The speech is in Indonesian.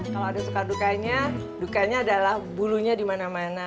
kalau ada sukar dukanya dukanya adalah bulunya di mana mana